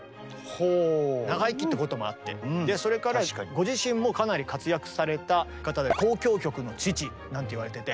ご自身もかなり活躍された方で「交響曲の父」なんていわれてて。